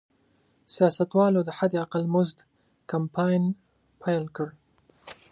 سیاستوالو د حداقل مزد کمپاین پیل کړ.